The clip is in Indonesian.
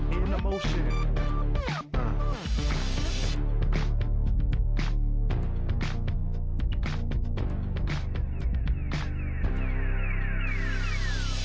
biar aku undurlah caranya tadi